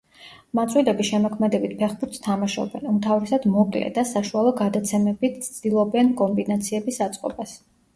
ყმაწვილები შემოქმედებით ფეხბურთს თამაშობენ, უმთავრესად მოკლე და საშუალო გადაცემებით ცდილობენ კომბინაციების აწყობას.